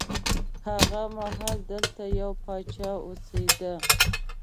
هغه مهال دلته یو پاچا اوسېده.